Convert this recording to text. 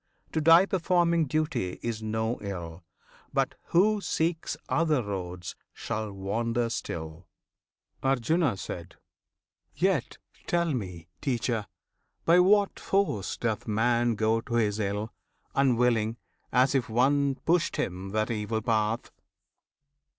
To die performing duty is no ill; But who seeks other roads shall wander still. Arjuna. Yet tell me, Teacher! by what force doth man Go to his ill, unwilling; as if one Pushed him that evil path?